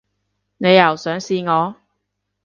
你又想試我